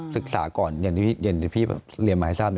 ก่อนอย่างที่พี่เรียนมาให้ทราบ